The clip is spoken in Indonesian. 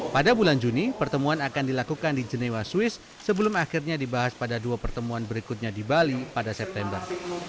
pada bulan juni pertemuan akan dilakukan di genewa swiss sebelum akhirnya dibahas pada dua pertemuan berikutnya di bali pada september